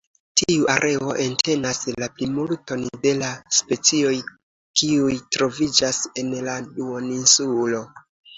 Tiu areo entenas la plimulton de la specioj kiuj troviĝas en la duoninsulo.